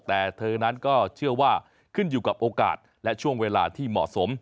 แต่เธอนั้นก็เชื่อว่าขึ้นอยู่กับโอกาสและช่วงเวลาที่เหมาะสม